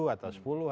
tujuh atau sepuluh